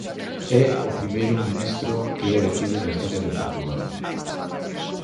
É o primeiro ministro que é detido na historia de Portugal.